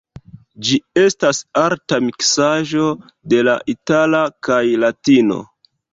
Ĝi estas arta miksaĵo de la itala kaj latino.